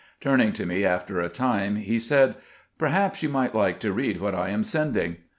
Turning to me after a time, he said, " Perhaps you might like to read what I am send ing."